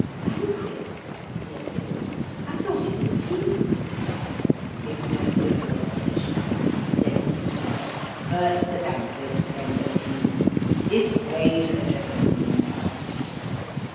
'Banquet?' said Philip. 'I thought it was tea.' 'Business before pleasure,' said Mr. Noah; 'first the banquet, then the tea. This way to the dressing rooms.'